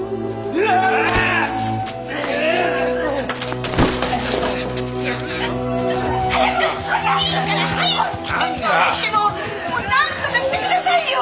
もうなんとかして下さいよ！